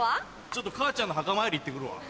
ちょっと母ちゃんの墓参り行ってくるわ。